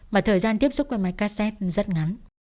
mà thời gian tiếp xúc qua máy cassette rất ngắn